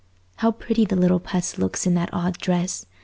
How pretty the little puss looks in that odd dress!